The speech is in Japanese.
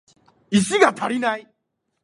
石が足りない